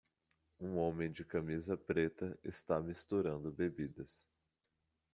Um homem de camisa preta está misturando bebidas